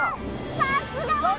さすが私！